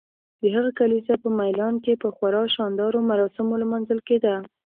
د هغه کلیزه په میلان کې په خورا شاندارو مراسمو لمانځل کیده.